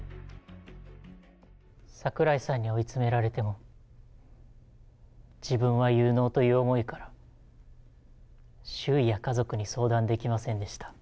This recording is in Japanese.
桜井さんに追い詰められても、自分は有能という思いから、周囲や家族に相談できませんでした。